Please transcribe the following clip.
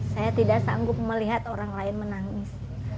saya tidak sanggup melihat orang lain menangis